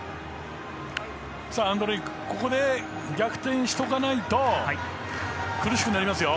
アンドレチクここで逆転しておかないと苦しくなりますよ。